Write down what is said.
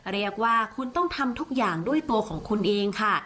เรียกว่าคุณต้องทำทุกอย่างด้วยตัวของคุณเองค่ะ